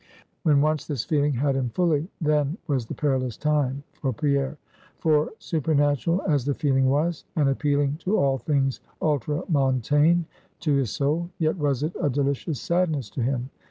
When once this feeling had him fully, then was the perilous time for Pierre. For supernatural as the feeling was, and appealing to all things ultramontane to his soul; yet was it a delicious sadness to him.